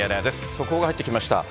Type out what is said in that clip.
速報が入ってきました。